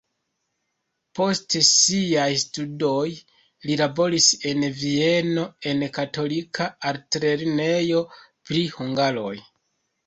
Post siaj studoj li laboris en Vieno en katolika altlernejo pri hungaroj.